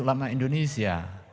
maka majelis ulama indonesia